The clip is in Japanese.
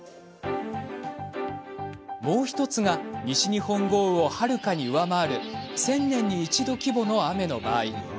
もう１つが西日本豪雨をはるかに上回る１０００年に一度規模の雨の場合。